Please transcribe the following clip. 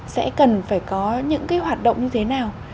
sẽ cần phải có những cái hoạt động như thế nào